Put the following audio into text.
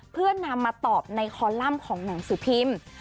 เพื่อนำมาตอบในคอลัมป์ของหนังสือพิมพ์